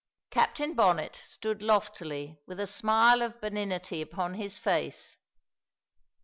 Captain Bonnet stood loftily with a smile of benignity upon his face.